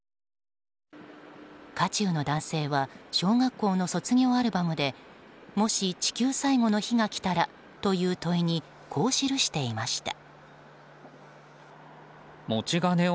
渦中の男性は小学校の卒業アルバムでもし地球最後の日が来たら？という問いにこう記していました。